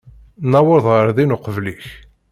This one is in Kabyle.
Nuweḍ ɣer din uqbel-ik.